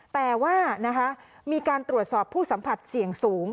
แต่ว่ามีการตรวจสอบผู้สัมผัสเสี่ยงสูง